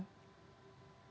ya sejauh yang dilakukan